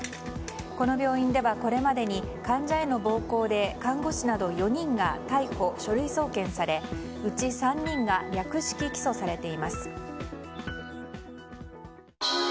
この病院ではこれまでに患者への暴行で看護師など４人が逮捕・書類送検されうち３人が略式起訴されています。